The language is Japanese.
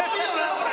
これ。